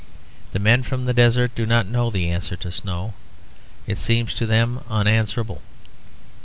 The men from the desert do not know the answer to the snow, it seems to them unanswerable.